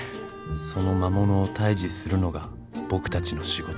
［その魔物を退治するのが僕たちの仕事。］